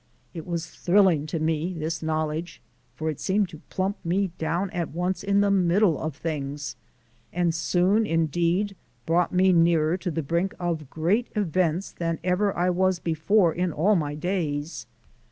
It was thrilling to me, this knowledge, for it seemed to plump me down at once in the middle of things and soon, indeed, brought me nearer to the brink of great events than ever I was before in all my days.